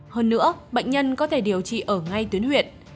hơn nữa bệnh nhân có thể điều trị ở ngay tuyến huyện